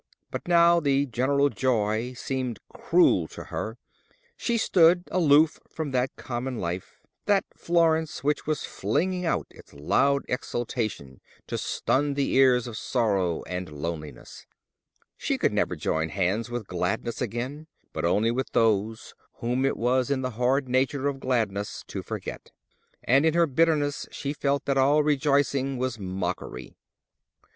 But now the general joy seemed cruel to her: she stood aloof from that common life—that Florence which was flinging out its loud exultation to stun the ears of sorrow and loneliness. She could never join hands with gladness again, but only with those whom it was in the hard nature of gladness to forget. And in her bitterness she felt that all rejoicing was mockery.